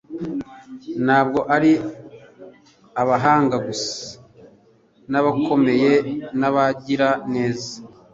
Ntabwo ari abahanga gusa n'abakomeye n'abagira neza,